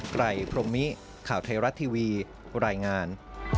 ไรพรมมิข่าวไทยรัฐทีวีรายงาน